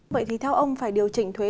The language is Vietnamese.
vậy thì theo ông phải điều chỉnh thuế